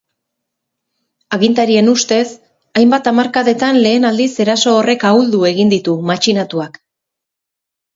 Agintarien ustez, hainbat hamarkadetan lehen aldiz eraso horrek ahuldu egin ditu matxinatuak.